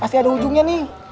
pasti ada ujungnya nih